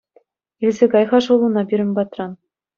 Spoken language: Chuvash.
Илсе кай-ха шӑллуна пирӗн патран.